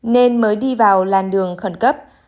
nên mới đi vào làn đường khẩn cấp